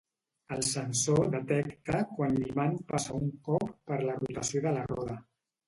El sensor detecta quan l'imant passa un cop per la rotació de la roda.